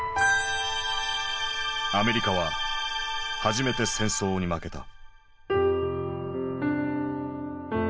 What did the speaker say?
アメリカは初めて戦争に負けた。